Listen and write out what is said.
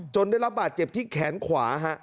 ได้รับบาดเจ็บที่แขนขวา